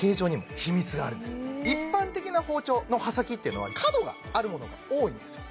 一般的な包丁の刃先っていうのは角があるものが多いんですよ